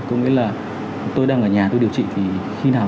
có nghĩa là tôi đang ở nhà tôi điều trị thì khi nào